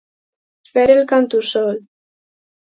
Fer el cantussol.